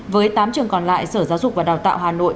với tám trường còn lại sở giáo dục và đào tạo hà nội